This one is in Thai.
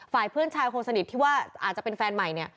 ฝ่ายเพื่อนชายคนสนิทที่ว่าอาจจะเป็นแฟนใหม่เนี่ย